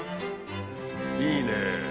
いいね！